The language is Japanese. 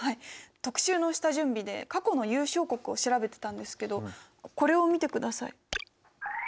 特集の下準備で過去の優勝国を調べてたんですけどこれを見てください。